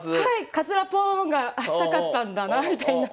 カツラポーンがあしたかったんだなみたいな。